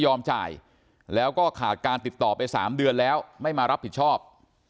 จ่ายแล้วก็ขาดการติดต่อไป๓เดือนแล้วไม่มารับผิดชอบ